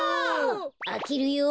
あけるよ。